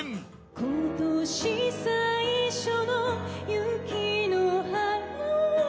「今年、最初の雪の華を」